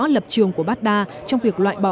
lập trường của baghdad trong việc loại bỏ